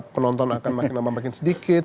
penonton akan makin lama makin sedikit